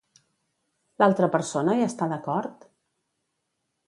L'altra persona hi està d'acord?